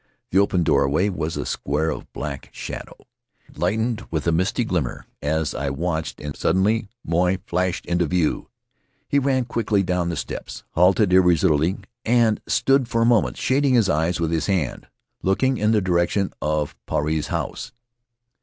The open doorway was a square of black shadow. It lightened with a misty glimmer as I watched, and suddenly Moy flashed into view. He ran quickly down the steps, halted irresolutely, and stood for a moment, shading his eyes with his hand, Faery Lands of the South Seas looking in the direction of Puarei's house.